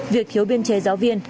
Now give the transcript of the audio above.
việc thiếu biên chế giáo viên